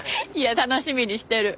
楽しみにしてる。